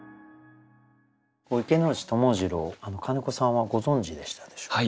池内友次郎金子さんはご存じでしたでしょうか？